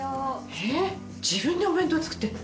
えっ自分でお弁当作ってんの？